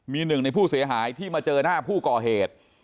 มีหนึ่งในผู้เสียหายที่มาเจอหน้าผู้ก่อเหตุ